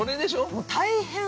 ◆もう大変。